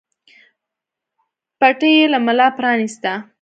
پټۍ يې له ملا پرانېسته.